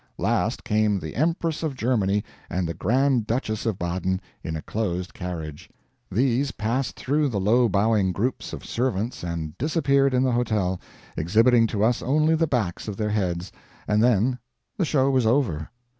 Last came the Empress of Germany and the Grand Duchess of Baden in a closed carriage; these passed through the low bowing groups of servants and disappeared in the hotel, exhibiting to us only the backs of their heads, and then the show was over.